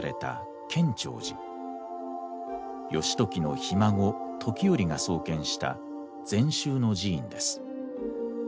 義時のひ孫時頼が創建した禅宗の寺院です。